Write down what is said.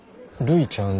るいちゃん。